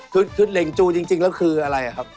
คือเหล่งจูจริงแล้วคืออะไรครับ